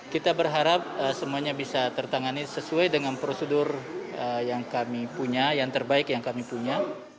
kita berharap semuanya bisa tertangani sesuai dengan prosedur yang kami punya yang terbaik yang kami punya